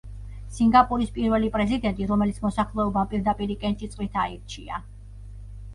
სინგაპურის პირველი პრეზიდენტი, რომელიც მოსახლეობამ პირდაპირი კენჭისყრით აირჩია.